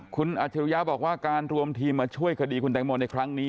คุณอัจฉริยะบอกว่าการรวมทีมมาช่วยคดีคุณแตงโมในครั้งนี้